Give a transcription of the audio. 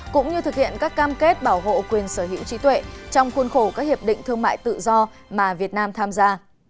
cũng như thực hiện các cam kết bảo hộ quyền sở hữu trí tuệ trong khuôn khổ các hiệp định thương mại tự do mà việt nam tham gia